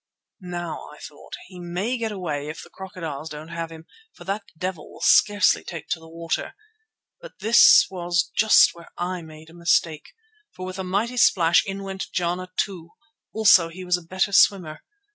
Now, I thought, he may get away if the crocodiles don't have him, for that devil will scarcely take to the water. But this was just where I made a mistake, for with a mighty splash in went Jana too. Also he was the better swimmer.